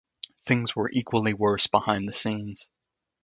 Thing were equally worse behind the scenes.